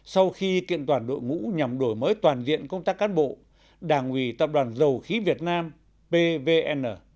sau khi kiện toàn đội ngũ nhằm đổi mới toàn diện công tác cán bộ đảng ủy tập đoàn dầu khí việt nam pvn